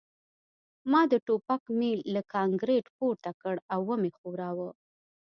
ما د ټوپک میل له کانکریټ پورته کړ او ومې ښوراوه